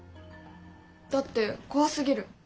だって怖すぎる。